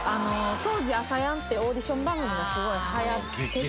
当時『ＡＳＡＹＡＮ』ってオーディション番組がすごい流行ってて。